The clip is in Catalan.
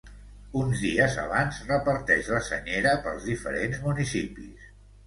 Uns dies abans, reparteix la senyera pels diferents municipis.